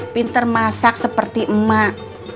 pinter masak seperti emak